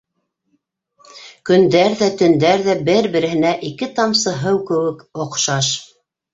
Көндәр ҙә, төндәр ҙә бер-береһенә ике тамсы һыу кеүек оҡшаш.